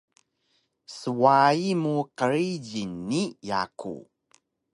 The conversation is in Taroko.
swayi mu qrijil ni yaku